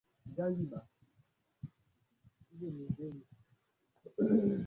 Wamasai hujifunza lugha kiswahili na kingeraza wakiwa shuleni